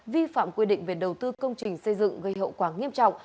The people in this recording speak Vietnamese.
vi phạm quy định về đầu tư công trình xây dựng gây hậu quả nghiêm trọng